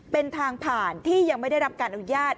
เป็นทางผ่านที่ยังไม่ได้รับการอนุญาต